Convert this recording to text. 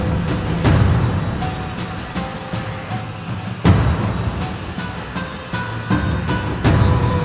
gue pakar lok ini